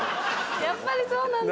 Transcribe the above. やっぱりそうなんだ。